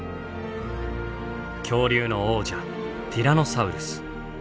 恐竜の王者ティラノサウルス。